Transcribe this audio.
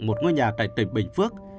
một ngôi nhà tại tỉnh bình phước